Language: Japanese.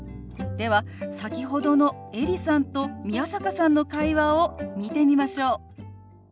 では先ほどのエリさんと宮坂さんの会話を見てみましょう。